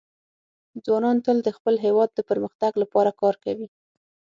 ځوانان تل د خپل هېواد د پرمختګ لپاره کار کوي.